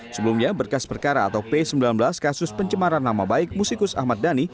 sebelumnya berkas perkara atau p sembilan belas kasus pencemaran nama baik musikus ahmad dhani